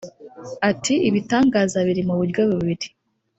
Ati “Ibitangaza biri mu buryo bubiri